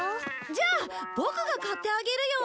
じゃあボクが買ってあげるよ！